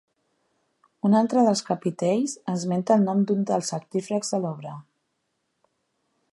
Un altre dels capitells esmenta el nom d'un dels artífexs de l'obra: